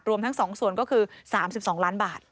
รวมทั้ง๒ส่วนก็คือ๓๒ล้านบาท